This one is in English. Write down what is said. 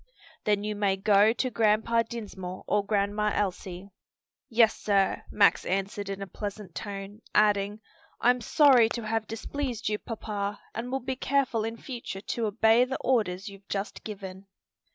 "Then you may go to Grandpa Dinsmore or Grandma Elsie." "Yes, sir," Max answered in a pleasant tone; adding, "I'm sorry to have displeased you, papa, and will be careful in future to obey the orders you've just given."